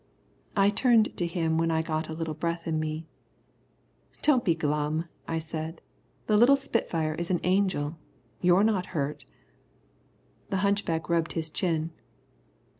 I turned to him when I got a little breath in me. "Don't be glum," I said. "The little spitfire is an angel. You're not hurt." The hunchback rubbed his chin.